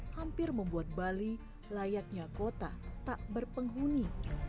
hampir membuat bali layaknya kota tak berpenghuni